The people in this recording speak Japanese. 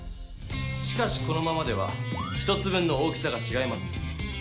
しかしこのままでは１つ分の大きさがちがいます。